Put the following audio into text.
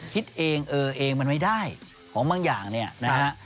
คิดเองเออเองมันไม่ได้ของบางอย่างเนี่ยนะฮะ